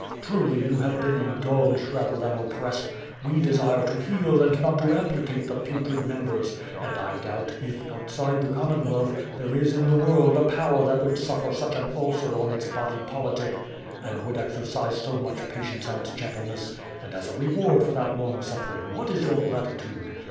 Truly, you have been indulged rather than oppressed; we de I30 ^^'^B FIRE AND SWORD. Bire to heal and not to amputate the putrid members; and I doubt, if, outside the Comon wealth, there is in the world a •power ihat would suffer such an ulcer on its body politic and would exercise so much patience and gentleness! And as a reward for that long suffering w^hat is your gratitude?